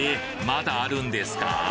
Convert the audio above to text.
まだあるんですか？